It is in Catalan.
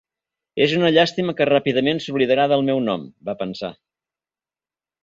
És una llàstima que ràpidament s'oblidarà del meu nom, va pensar.